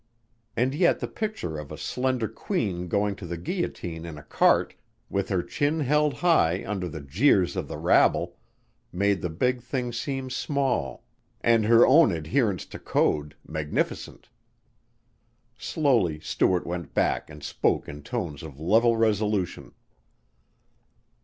And yet the picture of a slender queen going to the guillotine in a cart, with her chin held high under the jeers of the rabble, made the big thing seem small, and her own adherence to code magnificent. Slowly Stuart went back and spoke in tones of level resolution.